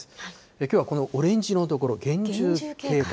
きょうはこのオレンジ色の所、厳重警戒。